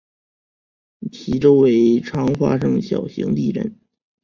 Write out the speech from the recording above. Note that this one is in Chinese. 其周围常发生小型地震。